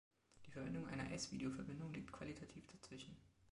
Die Verwendung einer S-Video-Verbindung liegt qualitativ dazwischen.